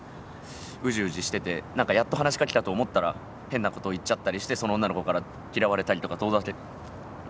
うじうじしててやっと話しかけたと思ったら変なこと言っちゃったりしてその女の子から嫌われたりとか遠ざけられたりだとか。